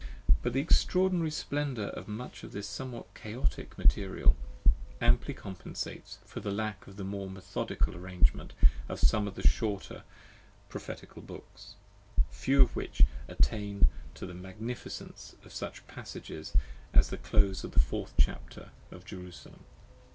But the extraordinary splendour of much of this somewhat chaotic material amply compensates for the lack of the more methodical arrangement of some of the shorter Prophetical books, few of which attain to the magnificence of such passages as the close of the fourth chapter of "Jerusalem."